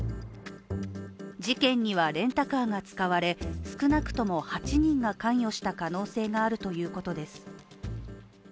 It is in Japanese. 事件にはレンタカーが使われ、少なくとも８人が関与した可能性があるということです。